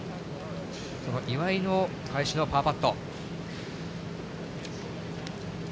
この岩井の返しのパーパット。